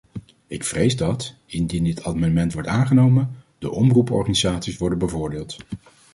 Ik vrees dat, indien dit amendement wordt aangenomen, de omroeporganisaties worden bevoordeeld.